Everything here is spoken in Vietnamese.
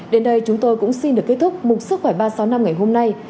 đến đây chúng tôi cũng xin được kết thúc một sức khỏe ba trăm sáu mươi năm ngày hôm nay